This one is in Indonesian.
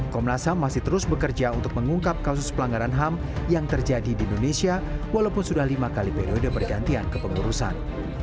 komnas ham masih terus bekerja untuk mengungkap kasus pelanggaran ham yang terjadi di indonesia walaupun sudah lima kali periode pergantian kepengurusan